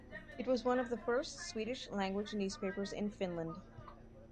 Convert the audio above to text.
It was one of the first Swedish language newspapers in Finland.